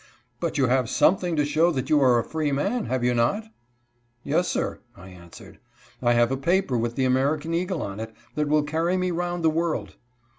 " But you have something to show that you are a free man, have you not?" "Yes, sir, " I answered; "I have a paper with the American eagle on it, that will carry me round the world."